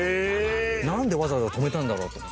なんでわざわざ止めたんだろうと思って。